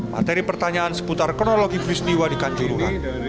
materi pertanyaan seputar kronologi peristiwa dikanjurkan